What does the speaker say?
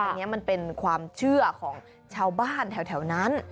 อันนี้มันเป็นความเชื่อของชาวบ้านแถวนั้น